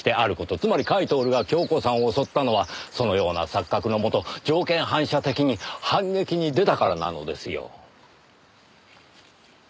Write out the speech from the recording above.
つまり甲斐享が恭子さんを襲ったのはそのような錯覚のもと条件反射的に反撃に出たからなのですよ。